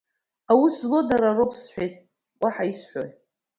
Аус злоу дара роуп, — сҳәоит, уаҳа исҳәои?